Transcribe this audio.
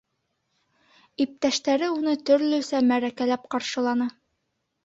Иптәштәре уны төрлөсә мәрәкәләп ҡаршыланы.